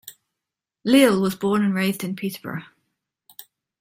Leal was born and raised in Peterborough.